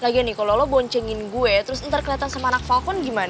lagi nih kalau lo boncengin gue terus ntar kelihatan sama anak falcon gimana